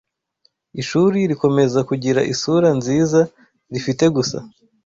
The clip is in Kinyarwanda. ishuri rikomeza kugira isura nziza rifite gusa